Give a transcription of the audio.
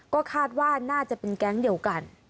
ก็คาดว่าน่าจะเป็นแก๊งเดียวกัน